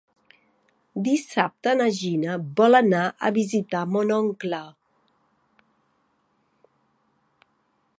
Dissabte na Gina vol anar a visitar mon oncle.